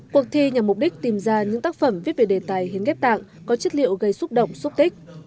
cuộc thi nhằm mục đích tìm ra những tác phẩm viết về đề tài hiến ghép tạng có chất liệu gây xúc động xúc tích